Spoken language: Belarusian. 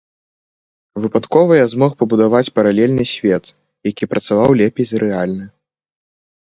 Выпадкова я змог пабудаваць паралельны свет, які працаваў лепей за рэальны.